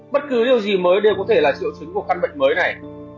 bất cứ điều gì mới đều có thể là triệu chứng của căn bệnh mới này